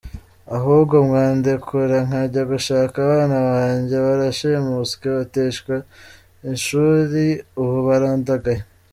Ahubwo mwandekura nkajya gushaka abana banjye, barashimuswe, bateshwa ishuri ubu barandagaye.